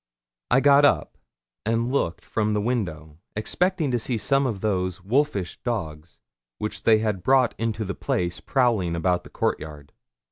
I got up, and looked from the window, expecting to see some of those wolfish dogs which they had brought to the place prowling about the court yard.